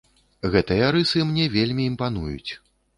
Гэтыя рысы мне вельмі імпануюць.